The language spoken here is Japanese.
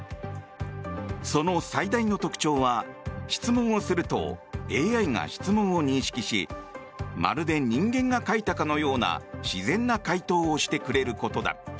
その最大の特徴は、質問をするとＡＩが質問を認識しまるで人間が書いたかのような自然な回答をしてくれることだ。